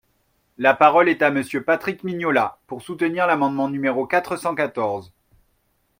La parole est à Monsieur Patrick Mignola, pour soutenir l’amendement numéro quatre cent quatorze.